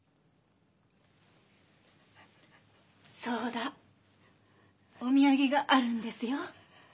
そうだお土産があるんですよ。